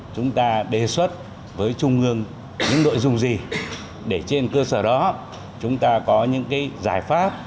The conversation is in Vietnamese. chúng ta đề xuất với trung ương những nội dung gì để trên cơ sở đó chúng ta có những giải pháp